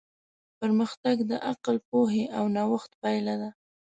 پرمختګ د عقل، پوهې او نوښت پایله ده.